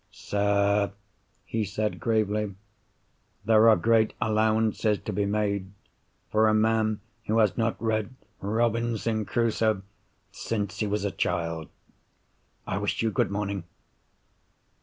"Sir," he said gravely, "there are great allowances to be made for a man who has not read Robinson Crusoe since he was a child. I wish you good morning."